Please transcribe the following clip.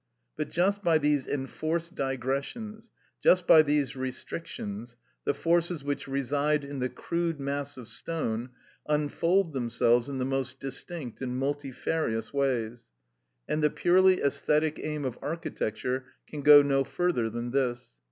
But just by these enforced digressions, just by these restrictions, the forces which reside in the crude mass of stone unfold themselves in the most distinct and multifarious ways; and the purely æsthetic aim of architecture can go no further than this.